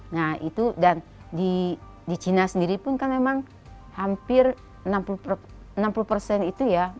nah itu dan di cina sendiri pun kan memang hampir enam puluh persen itu ya